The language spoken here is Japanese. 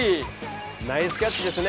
ナイスキャッチですね。